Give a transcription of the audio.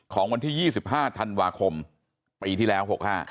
ของวันที่๒๕ธันวาคมปีที่แล้ว๖๕